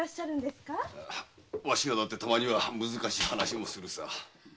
わしらだってたまには難しい話もするさ。